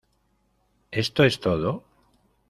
¿Esto es todo?